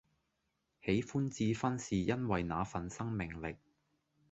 喜歡智勳是因為那份生命力